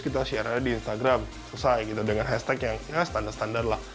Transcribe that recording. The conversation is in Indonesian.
kita share aja di instagram selesai gitu dengan hashtag yang ya standar standar lah